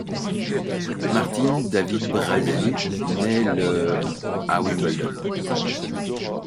Martin David Brasier naît le à Wimbledon.